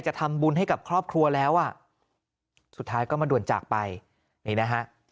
จะทำบุญให้กับครอบครัวแล้วอ่ะสุดท้ายก็มาด่วนจากไปนี่นะฮะ